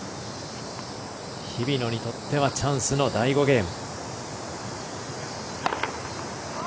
日比野にとってはチャンスの第５ゲーム。